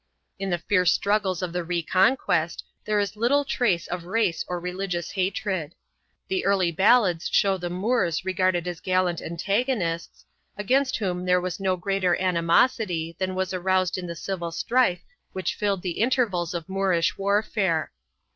In the fierce struggles of the Reconquest there is little trace of race or religious hatred. The early ballads show the Moors regarded as gallant antagonists, against whom there was no greater animosity than was aroused in the civil strife which filled the intervals of Moorish warfare.